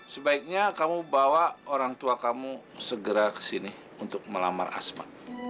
sebaiknya kamu bawa orang tua kamu segera kesini untuk melamar asma